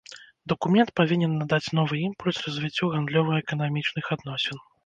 Дакумент павінен надаць новы імпульс развіццю гандлёва-эканамічных адносін.